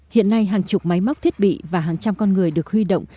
hiện nay hàng chục máy móc thiết bị và hàng trăm con người được huy động